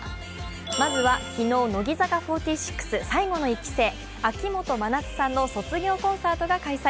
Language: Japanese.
まずは、昨日、乃木坂４６最後の１期生、秋元真夏さんの卒業コンサートが開催。